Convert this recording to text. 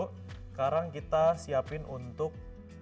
sekarang kita siapin untuk